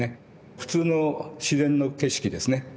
普通の自然の景色ですね